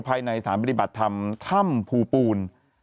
ภายในสารปฏิบัติธรรมถ้ำภูปูน